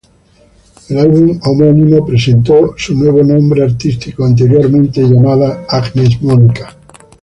El álbum homónimo presentó su nuevo nombre artístico, anteriormente llamada 'Agnes Monica'.